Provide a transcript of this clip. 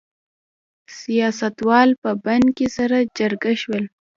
سیاستوال په بن کې سره جرګه شول.